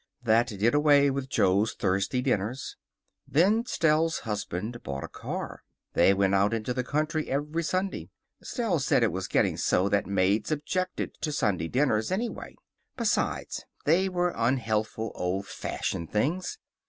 That did away with Jo's Thursday dinners. Then Stell's husband bought a car. They went out into the country every Sunday. Stell said it was getting so that maids objected to Sunday dinners, anyway. Besides, they were unhealthful, old fashioned things.